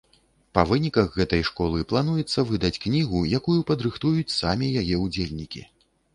Па выніках гэтай школы плануецца выдаць кнігу, якую падрыхтуюць самі яе ўдзельнікі.